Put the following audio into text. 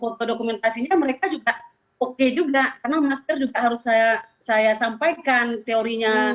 foto dokumentasinya mereka juga oke juga karena masker juga harus saya saya sampaikan teorinya